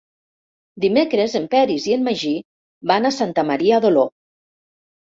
Dimecres en Peris i en Magí van a Santa Maria d'Oló.